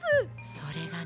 それがね。